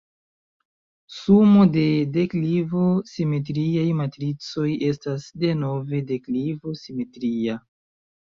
Sumo de deklivo-simetriaj matricoj estas denove deklivo-simetria.